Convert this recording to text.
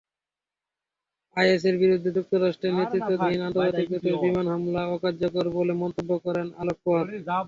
আইএসের বিরুদ্ধে যুক্তরাষ্ট্রের নেতৃত্বাধীন আন্তর্জাতিক জোটের বিমান হামলা অকার্যকর বলে মন্তব্য করেন আলকোয়াদ।